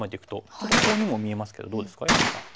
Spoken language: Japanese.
ちょっとコウにも見えますけどどうですか安田さん。